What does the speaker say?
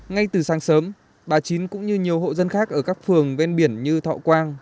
ngay từ sáng sớm bà chín cũng như nhiều hộ dân khác ở các phường ven biển như thọ quang